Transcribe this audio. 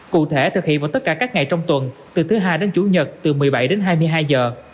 cụ thể thực hiện vào tất cả các ngày trong tuần từ thứ hai đến chủ nhật từ một mươi bảy đến hai mươi hai giờ